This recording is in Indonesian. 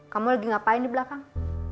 kamu lagi ngapain di belakang